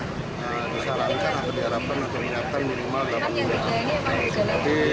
nah ini salah satu kan apa diharapkan atau ingatan di rumah gabungan